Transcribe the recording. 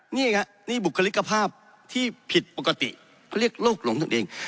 นี่ครับนี่บุคลิกภาพที่ผิดปกติเขาเรียกโรคหลงตนเอง